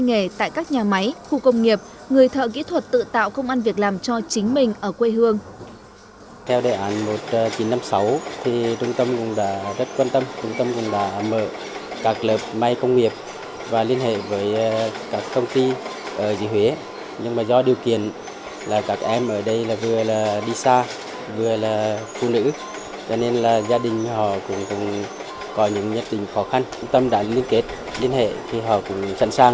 làm nghề tại các nhà máy khu công nghiệp người thợ kỹ thuật tự tạo công an việc làm cho chính mình ở quê hương